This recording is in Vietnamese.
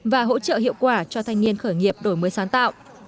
và hỗ trợ hiệu quả cho thanh niên khởi nghiệp đổi mới sáng tạo